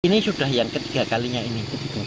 ini sudah yang ketiga kalinya ini